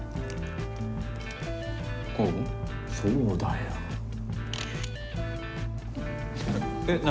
そうだよ。え、何？